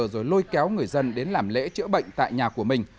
rồi lôi kéo người dân đến làm lễ chữa bệnh tại nhà của mình